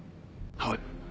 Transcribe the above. はい？